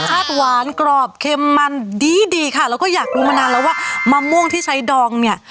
หวานกรอบเค็มมันดีดีค่ะแล้วก็อยากรู้มานานแล้วว่ามะม่วงที่ใช้ดองเนี่ย